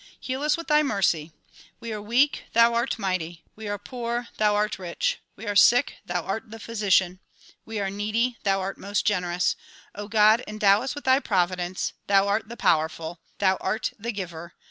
Heal us with thy mercy. We are weak; thou art mighty. We are poor; thou art rich. W^e are sick ; thou art the physician. We are needy ; thou art most generous. God ! endow us with thy providence. Thou art the powerful ! Thou art the giver